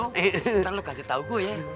ntar lo kasi tau gue ya